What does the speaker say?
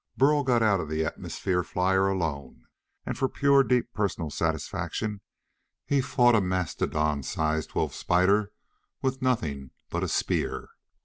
Burl got out of the atmosphere flier alone, and for pure deep personal satisfaction he fought a mastodon sized wolf spider with nothing but a spear.